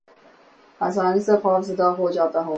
آسانی سے خوف زدہ ہو جاتا ہوں